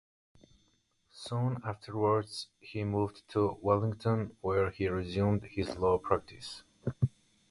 Soon afterwards, he moved to Wellington, where he resumed his law practice.